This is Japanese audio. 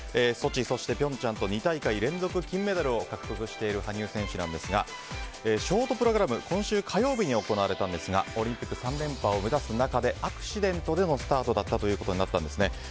ソチ、平昌と２大会連続金メダルを獲得している羽生選手ですがショートプログラム今週火曜日に行われたんですがオリンピック３連覇を目指す中でアクシデントでのスタートになったんですね。